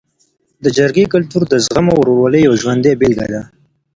د جرګې کلتور د زغم او ورورولۍ یو ژوندی بېلګه ده.